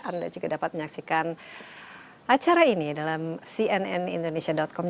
anda juga dapat menyaksikan acara ini dalam cnnindonesia com